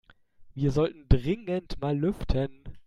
Wir sollten dringend mal lüften.